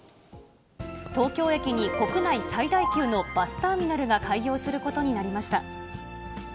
東京駅に国内最大級のバスターミナルが開業することになりました。